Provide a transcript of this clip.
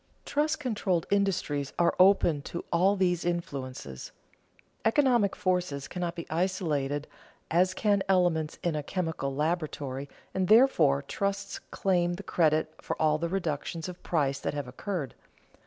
Trust controlled industries are open to all these influences. Economic forces cannot be isolated as can elements in a chemical laboratory, and, therefore, trusts claim the credit for all the reductions of price that have occurred.